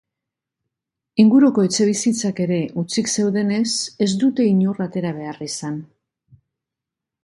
Inguruko etxebizitzak ere hutsik zeudenez, ez dute inor atera behar izan.